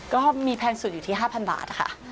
ก็มีแพงสุดอยู่ที่๕๐๐บาทค่ะ